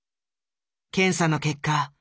検査の結果